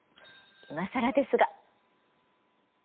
いまさらですが。